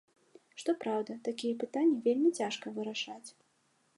Што праўда, такія пытанні вельмі цяжка вырашаць.